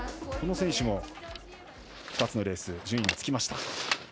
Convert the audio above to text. この選手も２つのレース順位がつきました。